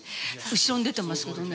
後ろに出てますけどね。